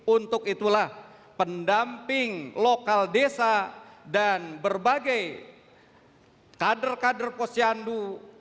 untuk itulah pendamping lokal desa dan berbagai kader kader posyandu